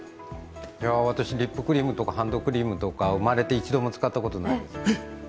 私、リップクリームとかハンドクリームとか生まれて一度も使ったことないです。